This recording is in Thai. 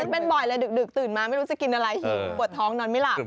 เป็นบ่อยเลยดึกตื่นมาไม่รู้จะกินอะไรหิวปวดท้องนอนไม่หลับ